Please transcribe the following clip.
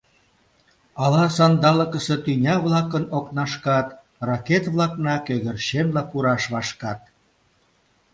Ала сандалыкысе тӱня-влакын «окнашкат» ракет-влакна кӧгӧрченла пураш вашкат?